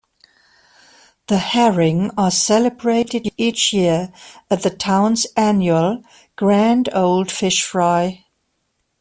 The herring are celebrated each year at the town's annual "Grande Old Fish Fry".